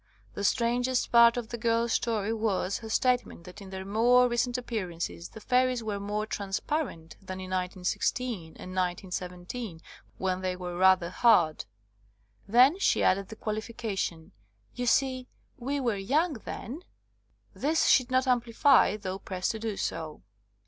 The strangest part of the girPs story was her statement that in their more recent ap pearances the fairies were more ''trans parent" than in 1916 and 1917, when they were "rather hard." Then she added the qualification, "You see, we were young then." This she did not amplify, though pressed to do so.